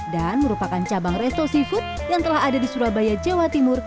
dan merupakan cabang resto seafood yang telah ada di surabaya jawa timur